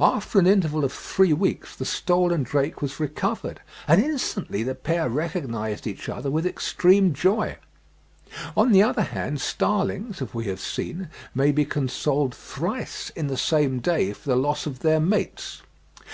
After an interval of three weeks the stolen drake was recovered, and instantly the pair recognised each other with extreme joy. On the other hand, starlings, as we have seen, may be consoled thrice in the same day for the loss of their mates.